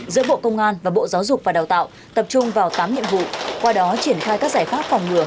giữa bộ công an và bộ giáo dục và đào tạo tập trung vào tám nhiệm vụ qua đó triển khai các giải pháp phòng ngừa